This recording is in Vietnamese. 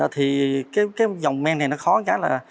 thì cái dòng men này nó khó cái là